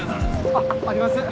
あっあります